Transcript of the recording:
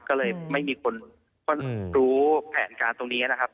ก็เลยไม่มีคนรู้แผนการตรงนี้นะครับ